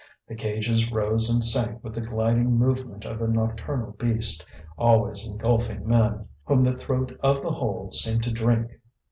The cages rose and sank with the gliding movement of a nocturnal beast, always engulfing men, whom the throat of the hole seemed to drink.